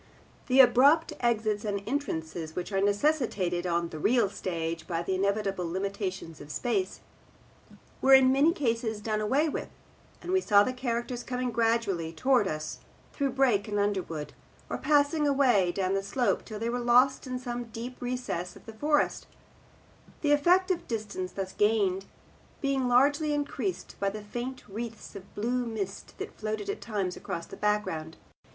The abrupt exits and entrances, which are necessitated on the real stage by the inevitable limitations of space, were in many cases done away with, and we saw the characters coming gradually towards us through brake and underwood, or passing away down the slope till they were lost in some deep recess of the forest; the effect of distance thus gained being largely increased by the faint wreaths of blue mist that floated at times across the background.